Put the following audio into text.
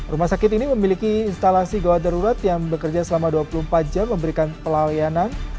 rumah sakit ini memiliki instalasi gawat darurat yang bekerja selama dua puluh empat jam memberikan pelayanan